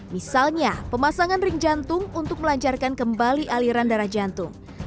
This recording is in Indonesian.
misalnya pemasangan ring jantung untuk melancarkan kembali aliran darah jantung